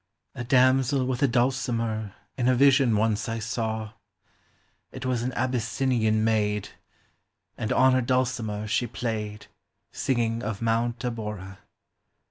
A damsel with ;> dulcimer In a vision once I saw; 164 POEMS OF FANCY. It was an Abyssinian maid, And on her dulcimer she played, Singing of Mount Abora.